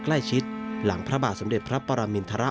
ใกล้ชิดหลังพระบาทสดิบพระประมินธระ